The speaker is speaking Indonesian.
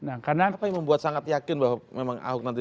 apa yang membuat sangat yakin bahwa memang ahok nanti